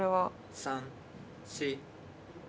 ２３４５。